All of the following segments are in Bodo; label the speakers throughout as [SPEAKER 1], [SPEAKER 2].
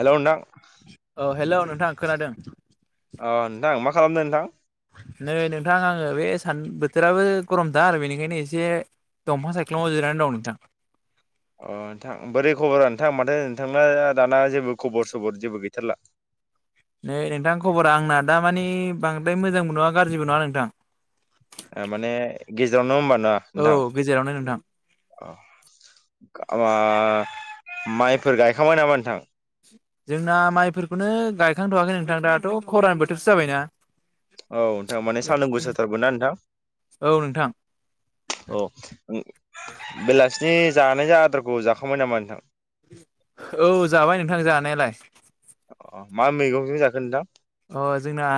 [SPEAKER 1] हेल' नोंथां।
[SPEAKER 2] थां खोनादों।
[SPEAKER 1] अ नोंथां मा खालामदों नोंथां?
[SPEAKER 2] नै नोंथां आङो बे सान बोथोराबो गरमथार बेनिखायनो एसे दंफां साइख्लुमाव जिरायनानै दं नोंथां।
[SPEAKER 1] अ नोंथां बोरै खबरा नोंथां माथो? नोंथांना दाना जेबो खबर सबर जेबो गैथारला। [inaudible]
[SPEAKER 2] नै नोंथां खबरा आंना दा मानि बांद्राय मोजांबो नङा गाज्रिबो नङा नोंथां।
[SPEAKER 1] आ माने गेजेरावनो होनबा?
[SPEAKER 2] औ गेजेरावनो नोंथां।
[SPEAKER 1] औ मा माइफोर गायखांबाय नामा नोंथां?
[SPEAKER 2] जोंना माइफोरखौनो गायखांथ'आाखै नोंथां दाथ' खरानि बोथोरसो जाबायना।
[SPEAKER 1] औ नोंथां माने सानदुं गोसाथारगोन ना नोंथां।
[SPEAKER 2] औ नोंथां
[SPEAKER 1] अ ओ बेला सि जानाय जा आदारखौ जाखांबाय नामा नोंथां?
[SPEAKER 2] औ जाबाय नोंथां जानायालाय।
[SPEAKER 1] अ मा मैगंजों जाखो नोंथां?
[SPEAKER 2] अ जोंना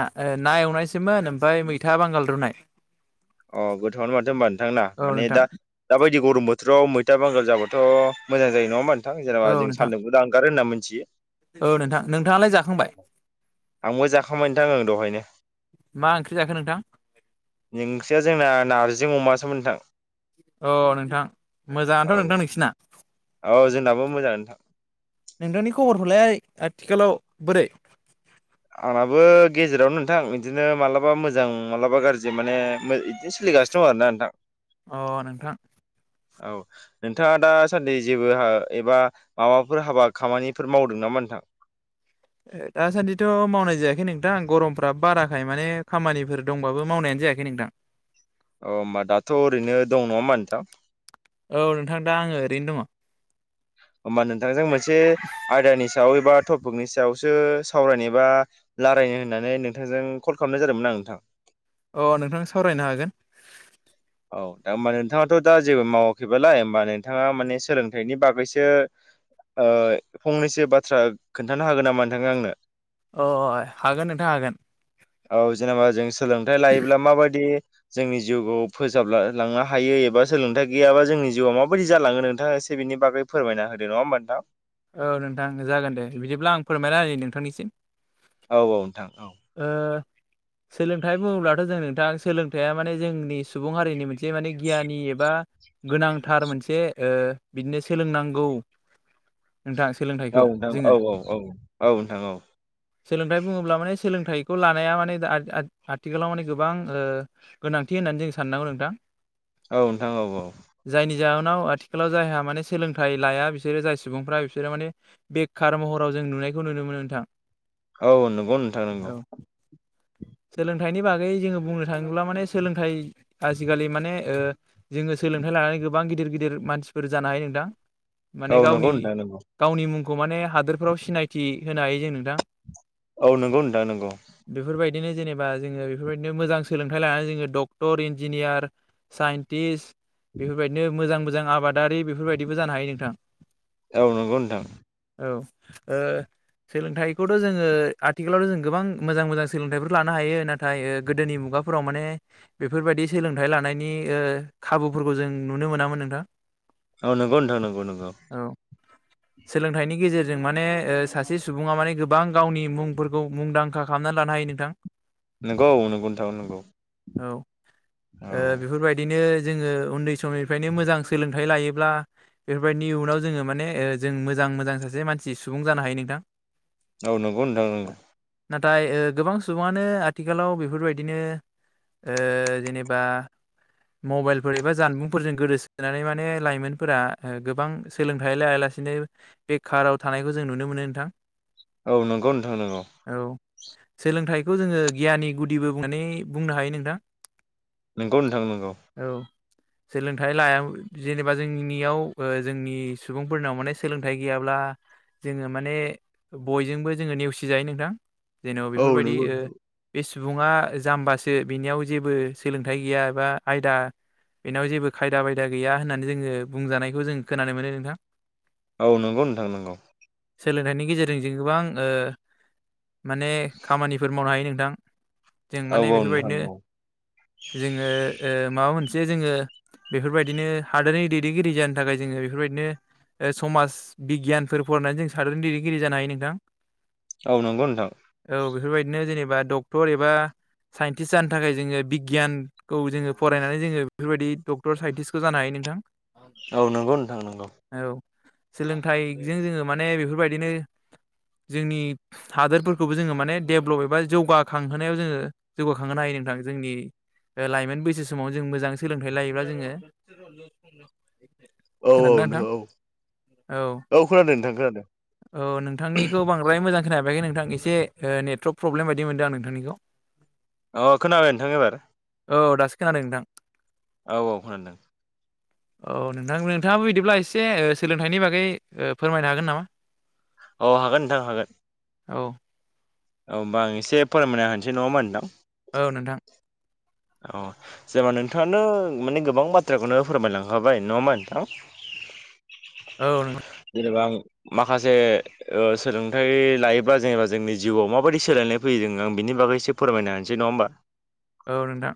[SPEAKER 2] ना एवनायसोमोन ओमफायय मैथा बांगाल रुनाय।
[SPEAKER 1] अ गोथाङनो माथो होनबा नोंथांना
[SPEAKER 2] औ
[SPEAKER 1] माने
[SPEAKER 2] नोंथां
[SPEAKER 1] दा दााबायदि गरम बो थोराव मैथा बांगाल जाब्लााथ' मोजां जायो नङा नोंथां
[SPEAKER 2] औ
[SPEAKER 1] जेनेबा जों
[SPEAKER 2] नोंथां
[SPEAKER 1] सानदुंबो दानगारो होनना मिनथियो।
[SPEAKER 2] औ नोंथां। नोंथाङालाय जाखांबाय?
[SPEAKER 1] आंबो जाखांबाय नोथांङो ओ दहायनो।
[SPEAKER 2] मा ओंख्रि जाखो नोंथां
[SPEAKER 1] जोंना नारजि अमा सोमोन नोंथां।
[SPEAKER 2] अ नोंथां मोजाङथ'
[SPEAKER 1] औ
[SPEAKER 2] नोंथां नोंसिना।
[SPEAKER 1] औ जोंनाबो मोजाङानो नोथां।
[SPEAKER 2] नोंथांनि खबरफ्रालाय आथिखालाव बोरै?
[SPEAKER 1] आंनाबो गेजेरावनो नोंथां बिदिनो मालाबा मोजां मालाबा गाज्रि माने मो इदिनो सोलि गासिनो आरोना नोंथां।
[SPEAKER 2] अ नोंथां।
[SPEAKER 1] औ नोंथाङा दासान्दि जेबो एबा माबाफोर हाबा खामानिफोर मावदों नामा नोंथां? [inaudible]
[SPEAKER 2] ओ दासान्दिथ' मावनाय जायाखै नोंथां गरमफ्रा बाराखाय माने खामानिफोर दंबाबो मावनायानो जायाखै नोंथां।
[SPEAKER 1] अ होमबा दाथ' ओरैनो दं नङा होमबा नोंथां
[SPEAKER 2] औ नोंथां दा आङो ओरैनो दङ।
[SPEAKER 1] होमबा नोंथांजों मोनसे आयदानि सायाव एबा टपिकनि सायावसो सावरायनो एबा रालायनो होननानै नोंथांजों कल खालामनाय जादोंमोन आं। नोंथां।
[SPEAKER 2] अ नोंथां सावरायनो हागोन।
[SPEAKER 1] औ दा हबा नोंथाङाथ' दा जेबो मावाखैबालाय होमबा नोंथाङा माने सोलोंथाइनि बागैसो ओ फंनैसो बाथ्रा खोन्थानो हागोन नामा नोंथां आंनो?
[SPEAKER 2] अ अ अ हागोन नोंथां हागोन।
[SPEAKER 1] औ जेनेबा जों सोलोंथाइ लायोब्ला माबायदि जोंनि जिउखौ फोजाब लांनो हायो एबा सोलोंथाइ गैयाबा जोंनि जिउआ माबायदि जालाङो नोंथाङा एसे बिनि बागै फोरमायना होदो नङा होनबा नोंथां?
[SPEAKER 2] औ नोंथां जागोन दे बिदिब्ला आं फोरमायना होनि नोंथांनो इसे
[SPEAKER 1] औ औ नोंथां औ। [inaudible]
[SPEAKER 2] सोलोंथाइ बुङोब्लाथ' जों नोंथां सोलोंथाइया माने जोंनि सुबुं हारिनि मोनसे माने गियानि एबा गोनांथार मोनसे ओ बिदिनो सोलोंनांगौ।
[SPEAKER 1] [inaudible]
[SPEAKER 2] नोंथां
[SPEAKER 1] औ
[SPEAKER 2] सोलोंथाइखौ
[SPEAKER 1] नोंथां
[SPEAKER 2] जोङो
[SPEAKER 1] औ औ औ औ नोंथां औ
[SPEAKER 2] सोलोंथाइ बुङोब्ला माने सोलोंथाइखौ लानाया माने आथ आथ आथिखालाव माने गोबां ओ गोनां थि होननानै जों साननांगौ नोंथां।
[SPEAKER 1] औ नोंथां औ औ।
[SPEAKER 2] जायनि जाहोनाव आथिखालाव जायहा माने सोलोंथाइ लाया बिसोरो जाय सुबुंफ्रा बिसोरो माने बेखार महराव जों नुनायखौ नुनो मोनो नोंथां।
[SPEAKER 1] औ नंगौ नोंथां नंगौ
[SPEAKER 2] औ सोलोंथाइनि बा गै जोङो बुंनो थाङोब्ला माने सोलोंथाइ आजिखालि माने ओ जोङो सोलोंथाइ लानानै गोबां गि दिर गिदिर मानसिफोर जानो हायो नोंथां। माने
[SPEAKER 1] औ
[SPEAKER 2] गावनि
[SPEAKER 1] नंगौ नोंथां नंगौ।
[SPEAKER 2] गावनि मुंखौ माने हादोरफ्राव सिनायथि होनो हायो जों नोंथां।
[SPEAKER 1] औ नंगौ नोंथां नंगौ।
[SPEAKER 2] इदिनो जेनेबा जोङो बेफोरबायदिनो मोजां सोलोंथाइ लानानै जोङो डक्टर इन्जिनियार साइन्टिस्ट। बेफोरबायदिनो मोजां मोजां आबादारि बेफोरबायदिबो जानो हायो नोंथां।
[SPEAKER 1] औ नंगौ नोंथां।
[SPEAKER 2] औ ओ सोलोंथाइखौथ' जोङो आथिखालावथ' जों गोबां मोजां मोजां सोलोंथाइफोर लानो हायो नाथाय गोदोनि मु गाफोराव माने बेफोरबायदि सोलोंथाइ लानायनि ओ खाबुफोरखौ जों नुनो मोनामोन नोंथां।
[SPEAKER 1] औ नंगौ नोंथां नंगौ नंगौ।
[SPEAKER 2] औ सोलोंथाइनि गेजेरजों माने ओ सासे सुबुङा माने गोबां गावनि मुंफोरखौ मुंदांखा खालामनानै ला नो हायो नोंथां।
[SPEAKER 1] नंगौ औ नंगौ नोंथां नंगौ
[SPEAKER 2] औ
[SPEAKER 1] औ
[SPEAKER 2] ओ बेफोरबायदिनो जोङो उन्दै समनिफ्रायनो मोजां सोलोंथाइ लायोब्ला बेफोरबायदि इयुनाव जोङो माने ओ जों मोजां मोजां सासे मानसि सुबुं जानो हायो नोंथां।
[SPEAKER 1] औ नंगौ नोंथां नंगौ।
[SPEAKER 2] नाथाय ओ गोबां सुबुङानो आथिखालाव बेफोरबायदिनो ओ जेनेबा मबाइलफोर एबा जानबुंफोरजों गोदोसोनानै माने लाइमोनफोरा गोबां सोलोंथाइ लायाला सेनो बेखाराव थानायखौ जों नुनो मोनो नोंथां।
[SPEAKER 1] औ नंगौ नोंथां नोंगौ।
[SPEAKER 2] औ सोलोंथाइखौ जोङो गियाननि गुदिबो बुंनानै बुंनो हायो नोंथां।
[SPEAKER 1] नोंगौ नोंथां नोंगौ।
[SPEAKER 2] औ सोलोंथाइ लाया जेनेबा जोंनियाव जोंनि सुबुंफोरनाव माने सोलोंथाइ गैयाब्ला जोङो माने बयजोंबो जोङो नेवसिजायो नोंथां। जेन'
[SPEAKER 1] औ
[SPEAKER 2] बेफोरबायदि
[SPEAKER 1] नंगौ
[SPEAKER 2] ओ सुबुङा जाम्बासो बिनियाव जेबो सोलोंथाइ गैया एबा आयदा बेनाव जेबो खायदा बायदा गैया होननानै जोङो बुंजानायखौ जों खोनानो मोनो नोंथां।
[SPEAKER 1] औ नंगौ नोंथां नंगौ।
[SPEAKER 2] सोलोंथाइनि गेजेरजों जों गोबां ओ माने खामानिफोर मावनो हायो नोंथां। जों
[SPEAKER 1] औ
[SPEAKER 2] माने
[SPEAKER 1] औ
[SPEAKER 2] बेफोरबायदिनो
[SPEAKER 1] नोंथां
[SPEAKER 2] जोङो ओ माबा मोन से जोङो बेफोरबायदिनो हादोरनि दैदेनगिरि जानो थाखाय जोङो बेफोरबायदिनो समाज बिगियानफोर फरायनानै जों सादारन दैदेनगिरि जानो हायो नोंथां।
[SPEAKER 1] औ नंगौ नोंथां।
[SPEAKER 2] औ बेफोरबायदिनो जेनेबा डक्टर एबा साइन्टिस्ट जानो थाखाय जोङो बिगियानखौ जोङो फरायनानै जोङो बेफोरबायदि डक्टर साइन्टिस्टखौ जानो हायो नोंथां।
[SPEAKER 1] औ नंगौ नोंथां नोंगौ।
[SPEAKER 2] औ सोलोंथाइजों जोङो माने बेफोरबायदिनो जोंनि हादोरफोरखौबो जोङो माने डेभलप एबा जौगाखांहोनायाव जोङो जौगाखांहोनो हायो। नोंथां जोंनि लाइमोन बैसो समाव जों मोजां सोलोंथाइ लायोब्ला जोङो
[SPEAKER 1] औ औ
[SPEAKER 2] खोनादोंना नोंथां
[SPEAKER 1] नोंगौ।
[SPEAKER 2] औ
[SPEAKER 1] नोंथां खो
[SPEAKER 2] औ नोंथांनिखौ बांद्राय मोजां खोनाबायखै नोंथां ओ एसे नेटवारर्क प्रब्लेम बायदि मोनदों आं नोंथांनिखौ।
[SPEAKER 1] अ खोनाबाय नोंथां एबार?
[SPEAKER 2] औ दासो खोनादों नोंथां।
[SPEAKER 1] औ औ खोनादों।
[SPEAKER 2] औ नोंथां नोंथाङाबो बिदिब्ला एसे सोलोंथाइनि बागै फोरमायनो हागोन नामा?
[SPEAKER 1] औ हागोन नोंथां हागोन।
[SPEAKER 2] औ
[SPEAKER 1] औ होनोमबा आं एसे फोरमायनो होनसै नङा होमबा नोंथां।
[SPEAKER 2] औ नोंथां।
[SPEAKER 1] औ जेबा नों नोंथाङानो माने गोबां बाथ्राखौनो फोरमायलांखाबाय नङाहोमबा नोंथां।
[SPEAKER 2] औ नोंथां
[SPEAKER 1] जेनेबा आं माखासे ओ सोलोंथाइ लायोब्ला जेनेबा जोंनि जिउआव माबायदि सोलायनाय फैयो जों आं बिनि नि बागोय एसे फोरमायनोानोसै नङा होनबा।
[SPEAKER 2] औ नोंथां।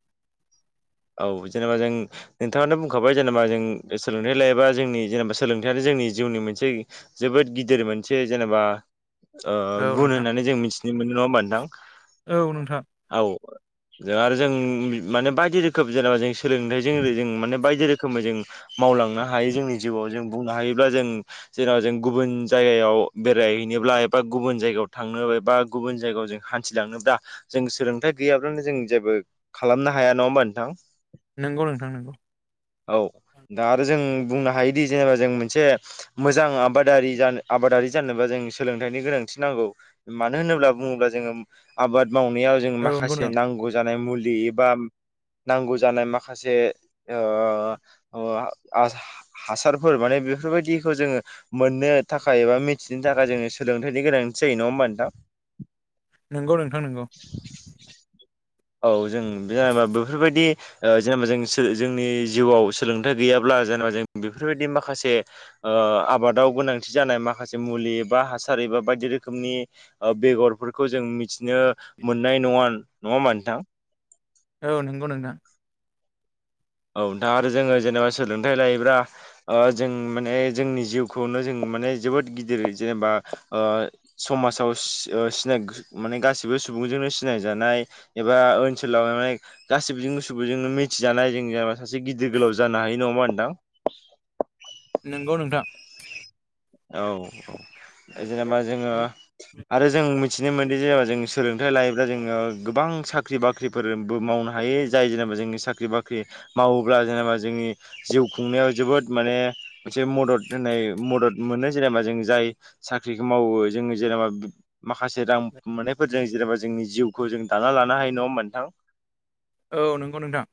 [SPEAKER 1] औ जेनेबा जों नोंथाङानो बुंखाबाय जेनेबा जों सोलोंथाइ लायोबा जोंनि जेनेबा सोलोंथानो जों जोंनि जिउनि मोनसे जोबोद गिदिर मोनसे जेनेबा ओ
[SPEAKER 2] औ
[SPEAKER 1] गुन
[SPEAKER 2] नोंथां
[SPEAKER 1] होननानै जों मिथिनो मोनो नङा होमबा नोंथां।
[SPEAKER 2] औ नोंथां।
[SPEAKER 1] औ आरो जों माने बायदि रोखोम जेनेबा जों सोलोंथाइजों जों माने बायदि रोखोम रोखोमै जों मावलांनो हायो जोंनि जिउआव जों। बुंनो हायोब्ला जेराव जों गुबुन जायगायाव बेरायहैनोब्ला एबा गुबुन जायगायाव थांनो बा गुबुन जायगायाव जों हान्थिलाङोब्ला जों सोलोंथाइ गैयाब्लानो जों जेबो खालामनो हाया नङामोन। नोंथां।
[SPEAKER 2] नंगौ नोंथां नोंगौ।
[SPEAKER 1] औ दा आरो जों बुंनो हायोदि जेनेबा जों मोनसे मोजां आबादारि जानो आबाद आरि जानोबा जों सोलोंथाइनि गोनांथि नांगौ मानो होनोब्ला बुङोब्ला जोङो आबाद मावनायाव जों
[SPEAKER 2] औ नंगौ
[SPEAKER 1] माखासे
[SPEAKER 2] नोंथां
[SPEAKER 1] नांगौ जानाय मुलि एबा नांगौ जानाय माखासे ओ आसार हासारफोर माने बेफोरबायदिखौ जोङो मोननो थाखाय एबा मिथिनो थाखाय जोङो सोलोंथाइनि गोनांथि जायो नङा होमबा नोंथां।
[SPEAKER 2] नंगौ नोंथां नोंगौ।
[SPEAKER 1] औ जों जेनेबा बेफोरबायदि जेनेबा जों जोंनि जिउआव सोलोंथाइ गैयाब्ला। जेनेवा जों बेफोरबायदि माखासे ओ आबादाव गोनांथि जानाय माखासे मुलि एबा हासार बा बायदि रोखोमनि बेगरफोरखौ जों मिथिनो मोननाय नङा नङामोन नोंथां।
[SPEAKER 2] औ नंगौ नोंथां।
[SPEAKER 1] औ दा आरो जोङो जेनेबा सोलोंथाइ लायोब्ला जों माने जोंनि जिउखौनो जों माने जोबोद गिदिर जेनेबा समाजाव सिनाय माने गासिबो सुबुंजोंनो सिनायजानाय एबा ओनसोलाव माने गासिबजोंबो सुबुंजोंनो मिथिजानाय जोङो नेबा सासे गिदिर गोलाव जानो हायो नङा होमबा नोंथां।
[SPEAKER 2] नंगौ नोंथां
[SPEAKER 1] औ औ जेनेबा जोङो आरो जों मिथिनो मोनोदि जेनेबा जों सोलों थाइ लायोब्ला जोङो गोबां साख्रि बाख्रिफोरबो मावनो हायो जाय जेनेबा जोंनि साख्रि बाख्रि माव मावोब्ला जेनेबा जोंनि जिउ खुंनायाव जोबोद माने मोनसे मदद होनाय मदद मोनो जेनेबा जों जाय साख्रिखौ मावो जोङो जेनेबा माखासे रां मोननायफोरजों जेनेबा जोंनि जिउखौ जों दाना लानो हायो नङा नोंथां।
[SPEAKER 2] औ नंगौ नोंथां।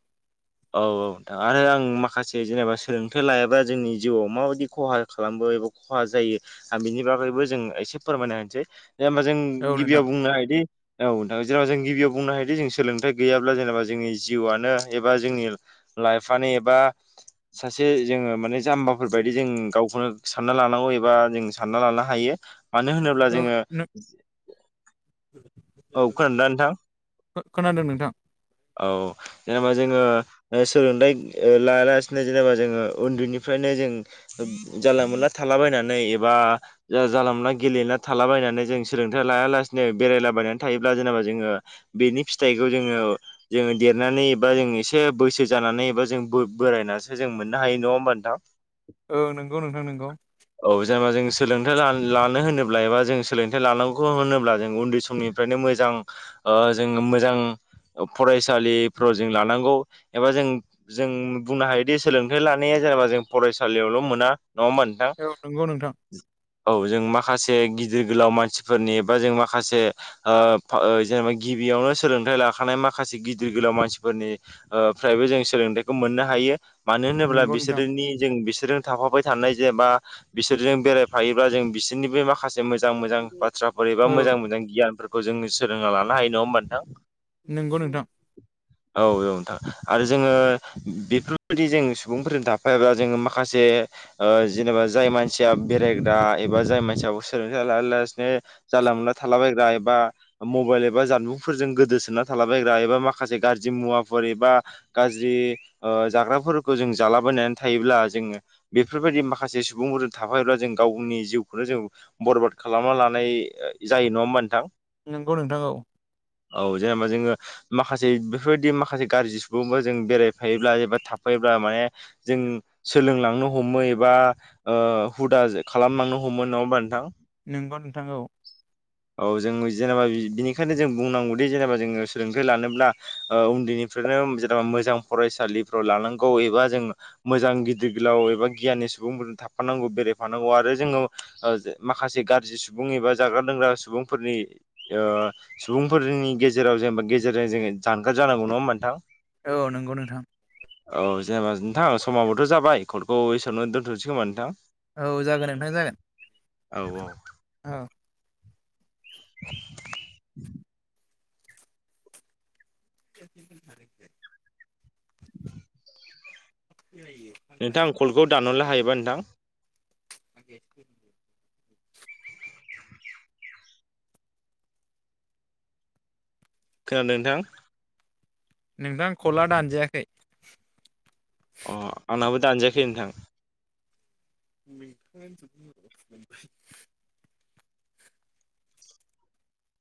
[SPEAKER 1] औ औ नोंथां आरो आं माखासे जेनेबा सोलोंथाइ लायाबा जोंनि जिउआव माबायदि खहा खालामो खहा जायो आ बिनि बागैबो जों एसे फोरमायना होनसै दे होमबा जों
[SPEAKER 2] औ नोंथां
[SPEAKER 1] गिबियाव बुंनो हायोदि औ नोंथां जेराव जों गिबियाव बुंनो हायोदि जों सोलोंथाइ गैयाब्ला जेनेबा जोंनि जिउआनो ए बा जोंनि लाइफनो एबा सासे जोङो माने जाम्बाफोर बायदि जों गाव सानना लानांगौ एबा जों सानना लानो हायो। मानो होनोब्ला
[SPEAKER 2] औ
[SPEAKER 1] जोङो औ खोनादोंना नोंथां
[SPEAKER 2] खोनादों नोंथां
[SPEAKER 1] औ जेनेबा जोङो सोलोंथाइ लायालासिनो जेनेबा जोङो उन्दैनिफ्रायनो जों जानला मोनला थालाबायनानै एबा जानला मोनला गेलेला थालाबायनानै जों सोलोंथाइ लायालासिनो बेरायलाबायनानै थायोब्ला जेनेबा जोङो, बेनि फिथाइखौ जोङो जोङो देरनानै एबा एसे बैसो जा नानै एबा जों बो-बोरायनासो जों मोननो हायो नङा होमबा नोंथां?
[SPEAKER 2] ओ नंगौ नोंथां नंगौ।
[SPEAKER 1] औ जेनेबा जों सोलोंथाइ ला-लानो होनोब्ला एबा जों सोलोंथाइ लानांगौखौ होनोब्ला जों उन्दै समनि फ्रायनो मोजां ओ जों मोजां फरायसालिफ्राव जों लानांगौ एबा जों जों बुंनो हायोदि सोलोंथाइ लानाया जेनेबा जों फरायसालियावल' मोना नङा होमबा नोंथां?
[SPEAKER 2] औ नंगौ नोंथां
[SPEAKER 1] औ जों माखासे गिदिर गोलाव मानसिफोरनि बा जों माखासे ओ फा जेनेबा गिबियावनो सोलोंथाइ लाखानाय माखासे गिदिर गोलाव मानसिफोरनि ओ जों सोलोंथाइखौ मोननो हायो मानो होनोब्ला
[SPEAKER 2] नंगौ नोंथां
[SPEAKER 1] बिसोरनि जों बि सोरजों थाफाबाय थानाय जेनेबा बिसोरजों बेरायफायोबा जों बिसोरनिबो माखासे मोजां मोजां बाथ्राफोर एबा
[SPEAKER 2] औ
[SPEAKER 1] मोजां मोजां गियानफोरखौ जोङो सोलोंना लानो हायो, नङा होमबा नोंथां?
[SPEAKER 2] नंगौ नोंथां।
[SPEAKER 1] औ औ नोंथां आरो जोङो बेफोरबायदि जों सुबुंफोरजों थाफायोबा जोङो माखासे से ओ जेनेबा जाय मानसिया बेरायग्रा एबा जाय मानसिया सोलोंथाइ लायालासिनो जानला मोनला थालाबायग्रा ए बा मबाइल एबा जानबुंफोरजों गोदोसोना थालाबायग्रा एबा माखासे गारजि मुवाफोर एबा गाज्रि ओ जाग्राफोरखौ जों जालाबायनानै थायोब्ला जोङो बेफोरबायदि माखासे सुबुं बुंफोरजों थाफायोब्ला जों गावनि जिउखौनो जों बरबाद खालामना लानाय जायो, नङा होमबा नोंथां?
[SPEAKER 2] नंगौ नोंथां औ।
[SPEAKER 1] औ जेनेबा जोङो माखासे बेफोरबायदि माखासे गारजि सुबुंफोरजों बेरायफायोब्ला एबा थाफायो ब्ला माने जों सोलोंलांनो हमो एबा ओ हुदा खालामलांनो हम मो नङा होमबा नोंथां।
[SPEAKER 2] नोंगौ नोंथां औ।
[SPEAKER 1] औ जों जेनेबा बिनिखायनो जों बुंनांगौदि जेनेबा जोङो सोलोंथाइ लानोब्ला उन्दैनि फ्रायनो जेनेबा मोजां फरायसालिफ्राव लानांगौ एबा जों मोजां गिदिर गोलाव एबा गियानि सुबुंफोर थाफानांगौ बेरायफानांगौ आरो जोङो ओ माखासे गारजि सुबुं एबा जाग्रा लोंग्रा सुबुं बुंफोरनि ओ सुबुंफोर जोंनि गेजेराव जेनेबा गेजेरजों जोङो जानगार जानांगौ, नङा नोंथां?
[SPEAKER 2] औ नंगौ नोंथां।
[SPEAKER 1] औ जेनेबा नोंथां समाबोथ' जाबाय कलखौ इसेयावनो दोनथ'नोसै खोमा नोंथां?
[SPEAKER 2] औ जागोन नोंथां जागोन
[SPEAKER 1] औ
[SPEAKER 2] औ।
[SPEAKER 1] [inaudible]
[SPEAKER 2] [inaudible]
[SPEAKER 1] नोंथां कलखौ दानहरलाय हायोबा नोंथां।
[SPEAKER 2] [inaudible]
[SPEAKER 1] खोनादों नोंथां?
[SPEAKER 2] नोंथां खला दानजायाखै।
[SPEAKER 1] अह आंनाबो दानजायाखै नोंथां।
[SPEAKER 2] [unintelligible]